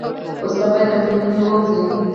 وسله باید له ټولنې ووځي